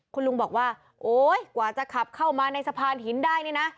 คุณลุงบอกว่าโอ๊ยกว่าจะขับเข้ามาในสะพานหินได้นี่นะ